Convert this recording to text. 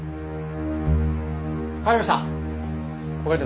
帰りました。